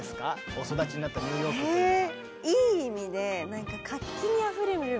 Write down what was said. お育ちになったニューヨークというのは。